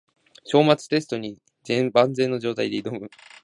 章末テストに万全の状態で挑む